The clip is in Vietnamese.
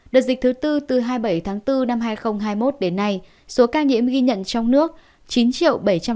đợt dịch thứ tư từ hai mươi bảy tháng bốn năm hai nghìn hai mươi một đến nay số ca nhiễm ghi nhận trong nước chín bảy trăm linh tám năm trăm bốn mươi ba ca